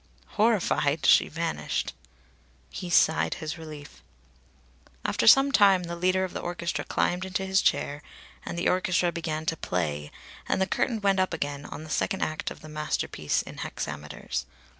Horrified, she vanished. He sighed his relief. After some time, the leader of the orchestra climbed into his chair, and the orchestra began to play, and the curtain went up again, on the second act of the masterpiece in hexameters.